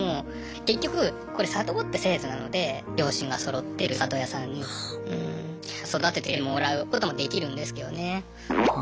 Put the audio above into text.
結局これ里子って制度なので両親がそろってる里親さんに育ててもらうこともできるんですけどね。